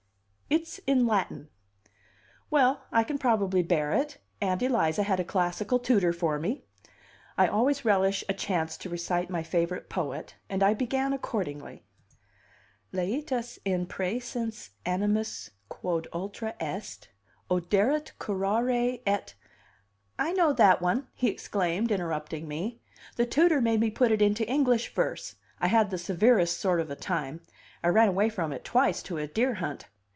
"It's in Latin." "Well, I can probably bear it. Aunt Eliza had a classical tutor for me." I always relish a chance to recite my favorite poet, and I began accordingly: "Laetus in praesens animus quod ultra est Oderit curare et " "I know that one!" he exclaimed, interrupting me. "The tutor made me put it into English verse. I had the severest sort of a time. I ran away from it twice to a deer hunt."